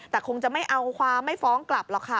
แต่คงจะไม่เอาความไม่ฟ้องกลับหรอกค่ะ